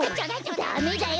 ダメだよ！